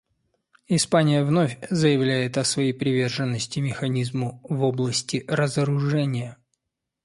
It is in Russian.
Испания вновь заявляет о своей приверженности механизму в области разоружения.